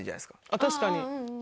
確かに。